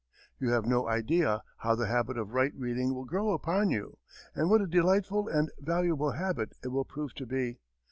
You have no idea how the habit of right reading will grow upon you, and what a delightful and valuable habit it will prove to be.